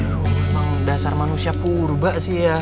aduh emang dasar manusia purba sih ya